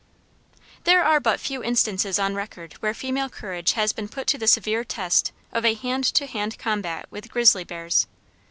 There are but few instances on record where female courage has been put to the severe test of a hand to hand combat with grizzly bears.